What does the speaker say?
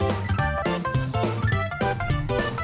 โอ้ไม่